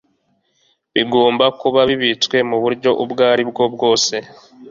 bigomba kuba bibitswe mu buryo ubwo ari bwo bwose